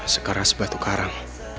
sekeras batu karang